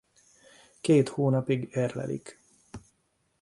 Két hónapig érlelik.